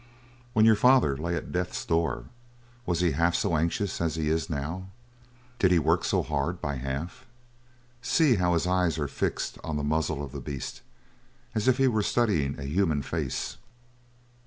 "When your father lay at death's door was he half so anxious as he is now? Did he work so hard, by half? See how his eyes are fixed on the muzzle of the beast as if he were studying a human face!"